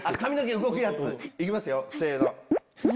行きますよ。